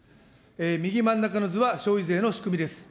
右真ん中の図は消費税の仕組みです。